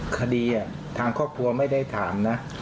คดีทางครอบครัวไม่ได้ถามนะ